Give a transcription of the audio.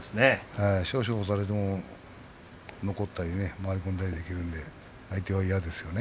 少々押されても残ったり回り込んだりできるんですね。